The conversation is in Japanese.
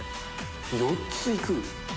「４ついく？」